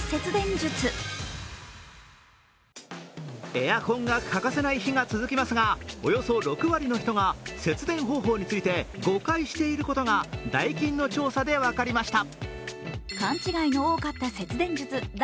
エアコンが欠かせない日が続きますが、およそ６割の人が節電方法について誤解していることがダイキンの調査で分かりました。